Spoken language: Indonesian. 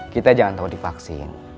kita jangan takut divaksin